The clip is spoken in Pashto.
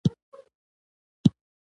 رس د ماشومانو د خوښۍ میوه ده